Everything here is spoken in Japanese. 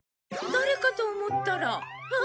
誰かと思ったら。